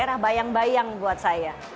apakah ini masih bisa dianggap sebagai